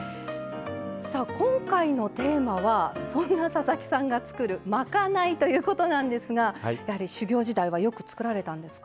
今回のテーマはそんな佐々木さんが作る「まかない」ということなんですが修業時代はよく作られたんですか？